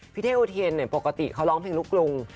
พี่เทวูเทญปกติก็ร้องเพลงลุกลุง